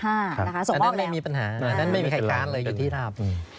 อันนั้นไม่มีปัญหาอันนั้นไม่มีใครค้านเลยอยู่ที่ราบ